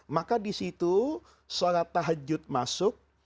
maka disitu sholat tahajud masuk